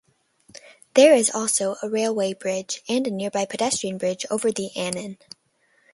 There is also a railway bridge and a nearby pedestrian bridge over the Annan.